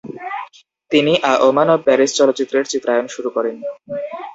তিনি a woman of Paris চলচ্চিত্রের চিত্রায়ন শুরু করেন।